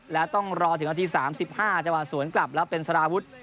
แล้วต้องรอถึงนาที๓๕จังหวะสวนกลับแล้วเป็นสารวุฒิ